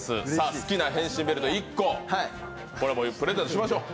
好きな変身ベルト１個、プレゼントしましょう。